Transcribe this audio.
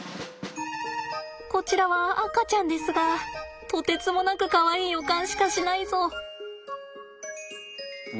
こちらは赤ちゃんですがとてつもなくかわいい予感しかしないぞ。